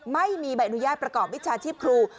ไม่มีใบอนุญาตประกอบวิชาชีพครู